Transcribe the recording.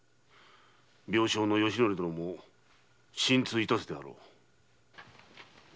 病床の吉徳殿も心痛致すであろう。